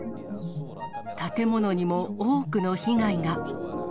建物にも多くの被害が。